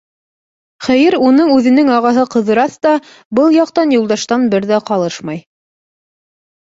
Хәйер, уның үҙенең ағаһы Ҡыҙырас та был яҡтан Юлдаштан бер ҙә ҡалышмай.